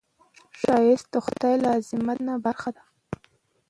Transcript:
ښایست د خدای له عظمت نه برخه ده